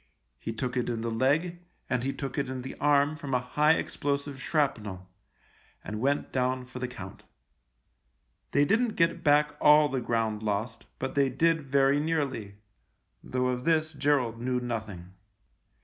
He took it in the leg, and he took it in the arm from a high explosive shrapnel, and went down for the count. They didn't get back all the ground lost, but they did very nearly — though of this Gerald knew nothing.